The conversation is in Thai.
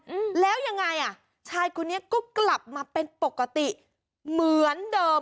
อืมแล้วยังไงอ่ะชายคนนี้ก็กลับมาเป็นปกติเหมือนเดิม